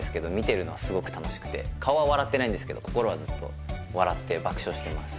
見てるのはすごく楽しくて顔は笑ってないんですけど心はずっと笑って爆笑しています